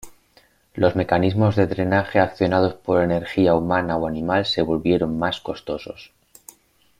Los mecanismos de drenaje accionados por energía humana o animal se volvieron más costosos.